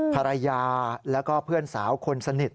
ภรรยาแล้วก็เพื่อนสาวคนสนิท